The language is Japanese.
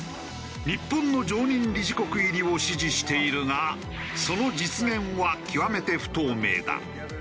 日本の常任理事国入りを支持しているがその実現は極めて不透明だ。